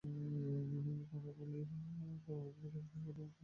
যিনি এ গুণাবলীর অধিকারী তিনি প্রতিভাবান হিসেবে চিহ্নিত।